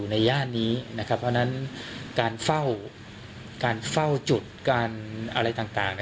เพราะฉะนั้นการเฝ้าจุดอันอะไรต่าง